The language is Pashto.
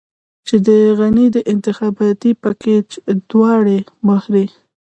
چې د غني د انتخاباتي پېکج دواړې مهرې.